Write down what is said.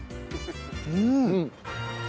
うん。